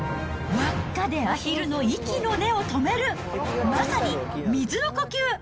輪っかでアヒルの息の根を止める、まさに水の呼吸。